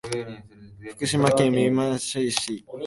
福島県三島町